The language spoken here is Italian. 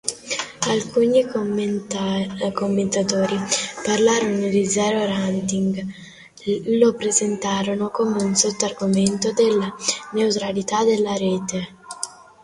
Alcuni commentatori parlando di "zero-rating" lo presentano come un sotto-argomento della neutralità della rete.